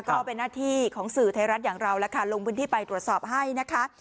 ก็เป็นนาธิของสื่อไทยรัฐอย่างเราลงบันที่ไปตรวจสอบให้นะคะ